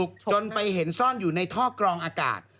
จนไปเห็นซ่อนอยู่ในท่อกรองอากาศ